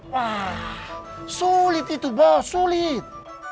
wah sulit itu bos sulit